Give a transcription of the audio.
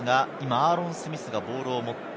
アーロン・スミスがボールを持って、